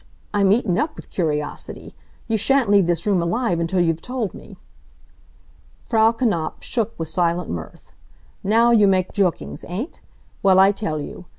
I'm eaten up with curiosity. You shan't leave this room alive until you've told me!" Frau Knapf shook with silent mirth. "Now you make jokings, ain't? Well, I tell you.